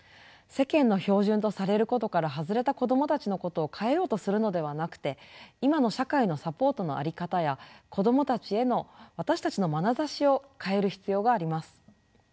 世間の標準とされることから外れた子どもたちのことを変えようとするのではなくて今の社会のサポートの在り方や子どもたちへの私たちのまなざしを変える必要があります。